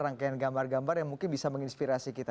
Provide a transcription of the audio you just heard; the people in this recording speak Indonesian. rangkaian gambar gambar yang mungkin bisa menginspirasi kita